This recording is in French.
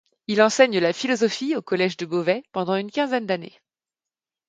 Il enseigne la philosophie au collège de Beauvais pendant une quinzaine d'années.